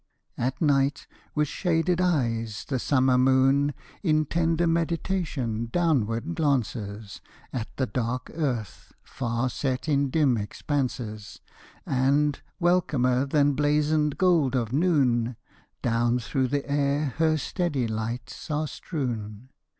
At night, with shaded eyes, the summer moon In tender meditation downward glances At the dark earth, far set in dim expanses, And, welcomer than blazoned gold of noon, Down through the air her steady lights are strewn.